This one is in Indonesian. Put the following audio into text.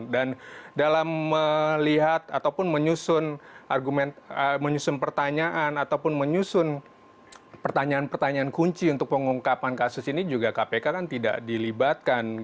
dan dalam melihat ataupun menyusun pertanyaan ataupun menyusun pertanyaan pertanyaan kunci untuk pengungkapan kasus ini juga kpk tidak dilibatkan